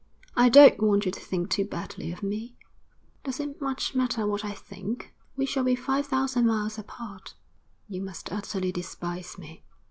I don't want you to think too badly of me.' 'Does it much matter what I think? We shall be five thousand miles apart.' 'You must utterly despise me.'